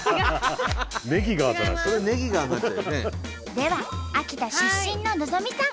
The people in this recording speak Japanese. では秋田出身の希さん。